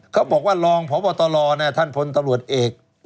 เขาบอกว่ารองพบตรท่านพลตำรวจเอก